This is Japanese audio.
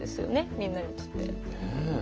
みんなにとって。